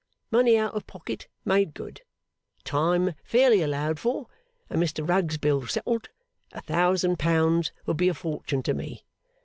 Money out of pocket made good, time fairly allowed for, and Mr Rugg's bill settled, a thousand pounds would be a fortune to me.